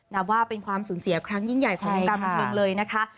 นับว่าเป็นความสูญเสียครั้งยิ่งใหญ่ของวงการบันเทิงเลยนะคะ